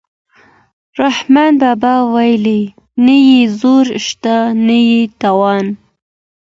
رحمان بابا وايي نه یې زور شته نه یې توان.